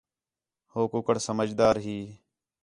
ہو کُکڑ سمجھ دار ہی